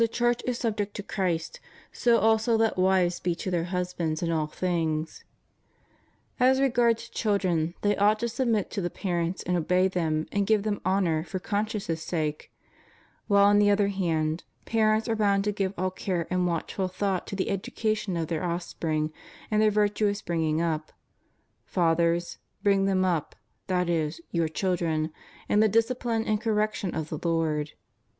65 Church is subject to Christ, so also let wives be to their hus bands in all things} As regards children, they ought to submit to the parents and obey them, and give them honor for conscience' sake ; while, on the other hand, parents are boimd to give all care and watchful thought to the education of their offspring and their virtuous bringing up: Fathers, ... bring them up (that is, your children) in the discipline and correction of the Lord?